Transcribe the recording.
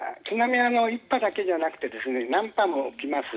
１波だけじゃなくて何波も来ます。